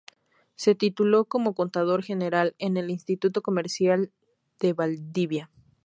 Se tituló como contador general en el Instituto Comercial de Valdivia.